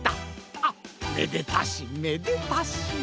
あめでたしめでたし！